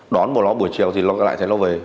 đón một nó buổi chiều thì nó lại thấy nó về